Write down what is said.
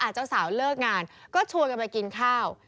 เจ้าสาวเลิกงานก็ชวนกันไปกินข้าว